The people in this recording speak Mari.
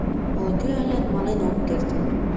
Ала-кӧ алят мален ок керт.